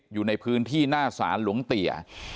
อยู่ในพื้นที่หน้าศาลหลวงเตี๋ย